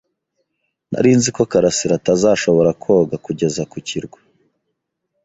Nari nzi ko karasira atazashobora koga kugeza ku kirwa.